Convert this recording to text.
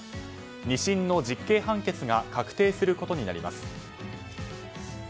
２審の実刑判決が確定することになります。